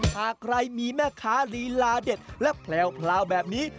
หากใครมีแม่ค้าลีลาเด็ดและแพลวแบบนี้